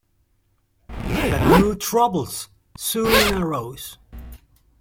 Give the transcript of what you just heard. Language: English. But new troubles soon arose.